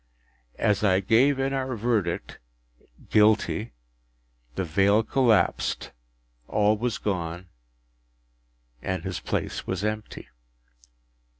As I gave in our verdict, “Guilty,” the veil collapsed, all was gone, and his place was empty.